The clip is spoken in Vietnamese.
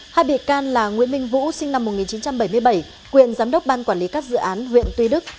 hai bị can là nguyễn minh vũ sinh năm một nghìn chín trăm bảy mươi bảy quyền giám đốc ban quản lý các dự án huyện tuy đức